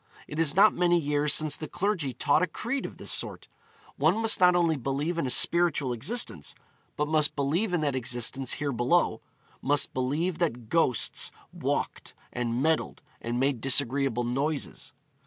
It is not many years since the clergy taught a creed of this sort. One must not only believe in a spiritual existence, but must believe in that existence here below must believe that ghosts walked, and meddled, and made disagreeable noises.